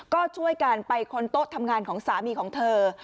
ก็ช่วยกันไปค้นโต๊ะทำงานของสามีของเธอ